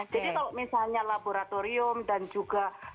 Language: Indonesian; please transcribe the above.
jadi kalau misalnya laboratorium dan juga